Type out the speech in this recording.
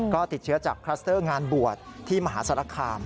ก็ติดเชื้อจากคลัสเตอร์งานบวชที่มหาสารคาม